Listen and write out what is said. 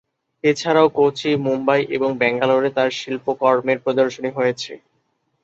এছাড়াও কোচি, মুম্বাই এবং ব্যাঙ্গালোরে তার শিল্পকর্মের প্রদর্শনী হয়েছে।